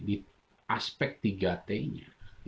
di aspek tiga t nya